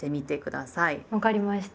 分かりました。